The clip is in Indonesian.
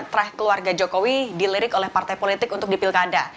trah keluarga jokowi dilirik oleh partai politik untuk di pilkada